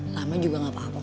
lama juga gak apa apa